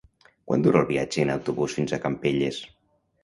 Quant dura el viatge en autobús fins a Campelles?